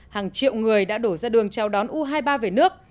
hàng triệu người đã đổ ra đường chào đón u hai mươi ba về nước